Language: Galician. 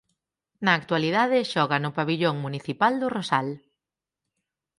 Na actualidade xoga no Pavillón Municipal do Rosal.